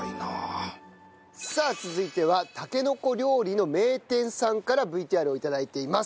さあ続いてはたけのこ料理の名店さんからＶＴＲを頂いています。